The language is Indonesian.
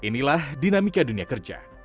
inilah dinamika dunia kerja